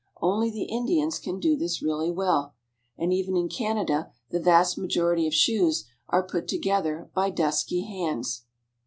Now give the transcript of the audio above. Only the Indians can do this really well, and even in Canada the vast majority of shoes are put together by dusky hands.